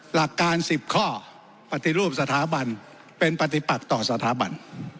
หลักการ๑๐ข้อปฏิรูปสถาบันเป็นปฏิปักต่อสถาบัน